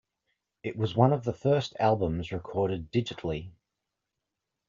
It was one of the first albums recorded digitally.